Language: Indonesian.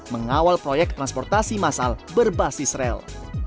mengawal proyek transportasi masal berbasis rel